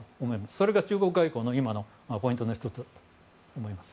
それが中国外交の今のポイントの１つだと思います。